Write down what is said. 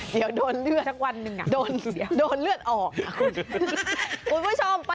เดี๋ยวโดนเลือดโดนเลือดออกนะคุณผู้ชมไป